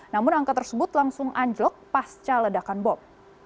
namun angka tersebut langsung anjlok pasca ledakan bom